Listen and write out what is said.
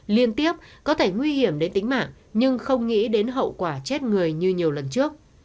liên tiếp có thể nguy hiểm đến tính mạng nhưng không nghĩ đến hậu quả chết người như nhiều lần trước